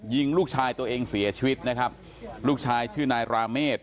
ยิงลูกชายตัวเองเสียชีวิตนะครับลูกชายชื่อนายราเมฆ